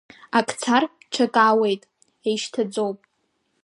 Ак цар, ҽак аауеит, еишьҭаӡоуп.